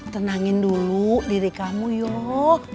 tenangin dulu diri kamu yuk